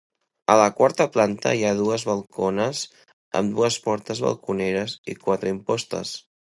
A la quarta planta, hi ha dues balcones amb dues portes balconeres i quatre impostes.